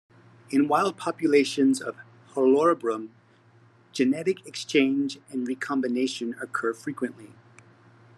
In wild populations of "Halorubrum", genetic exchange and recombination occur frequently.